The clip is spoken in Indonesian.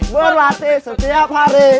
berlatih setiap hari